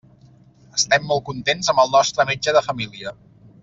Estem molt contents amb el nostre metge de família.